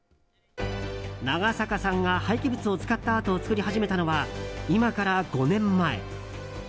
長坂さんが廃棄物を使ったアートを作り始めたのは、今から５年前。